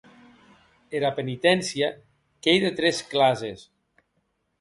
Era peniténcia qu’ei de tres clases.